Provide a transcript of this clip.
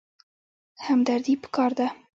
همدردي پکار ده